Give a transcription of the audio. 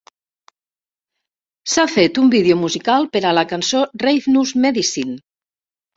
S'ha fet un vídeo musical per a la cançó "Ravenous Medicine".